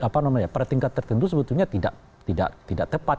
pada tingkat tertentu sebetulnya tidak tepat